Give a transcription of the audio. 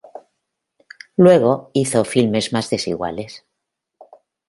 Luego, hizo filmes más desiguales.